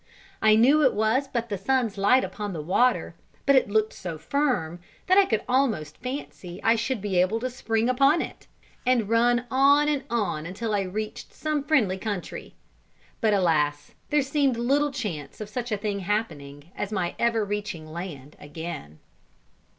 I knew it was but the sun's light upon the water, but it looked so firm, that I could almost fancy I should be able to spring upon it, and run on and on until I reached some friendly country. But alas! there seemed little chance of such a thing happening as my ever reaching land again.